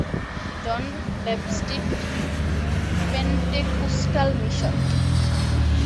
John Baptist Pentecostal mission.